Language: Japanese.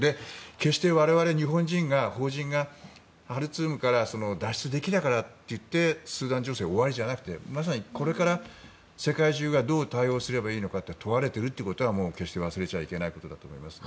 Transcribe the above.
決して我々、日本人が邦人がハルツームから脱出できたからといってスーダン情勢が終わりではなくてまさにこれから、世界中がどう対応すればいいのかが問われているということは決して忘れてはいけないことだと思います。